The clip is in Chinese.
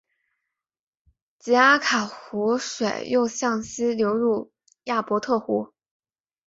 基阿卡湖水又向西流入亚伯特湖。